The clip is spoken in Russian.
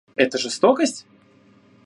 Это жестокость?